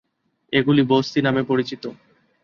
এগুলি "বস্তি" নামে পরিচিত।